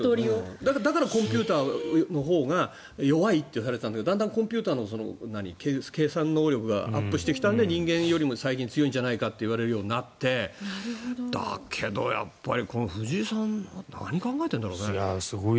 だからコンピューターのほうが弱いって言われたんだけどだんだん、コンピューターの計算能力がアップしてきたので人間よりも最近強いんじゃないかといわれるようになってだけどやっぱり藤井さん何考えてるんだろうね。